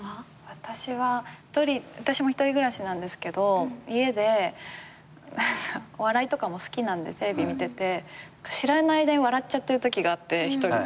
私は私も１人暮らしですけど家でお笑いとかも好きなんでテレビ見てて知らない間に笑っちゃってるときがあって１人で。